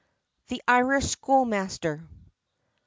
THE IRISH SCHOOLMASTER. I.